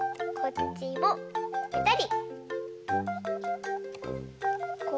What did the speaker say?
こっちもぺたり。